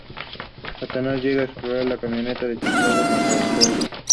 Satanás llega y explota la camioneta de Chicago, matándolo.